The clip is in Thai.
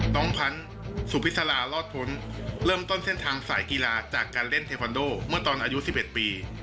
พันธุ์สุพิษลารอดพ้นเริ่มต้นเส้นทางสายกีฬาจากการเล่นเทควันโดเมื่อตอนอายุ๑๑ปี